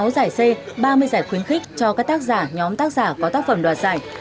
sáu giải c ba mươi giải khuyến khích cho các tác giả nhóm tác giả có tác phẩm đoạt giải